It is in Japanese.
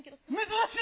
珍しい。